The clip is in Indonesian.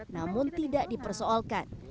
namun tidak dipersoalkan